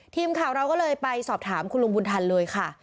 ทีมข่าวเราก็เลยไปสอบถามคุณลุงบุญทันเลยค่ะ